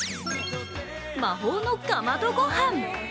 魔法のかまどごはん。